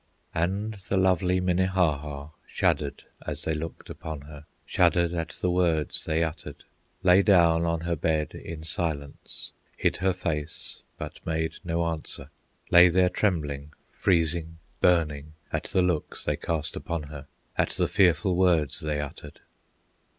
And the lovely Minnehaha Shuddered as they looked upon her, Shuddered at the words they uttered, Lay down on her bed in silence, Hid her face, but made no answer; Lay there trembling, freezing, burning At the looks they cast upon her, At the fearful words they uttered.